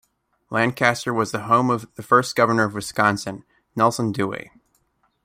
Lancaster was the home of the first governor of Wisconsin, Nelson Dewey.